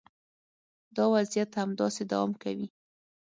دا وضعیت همداسې دوام کوي.